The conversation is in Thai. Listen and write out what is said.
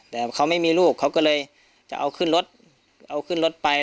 แต่เขาไม่มีลูกเขาก็เลยจะเอาขึ้นรถไป